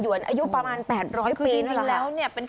ต้องใช้ใจฟัง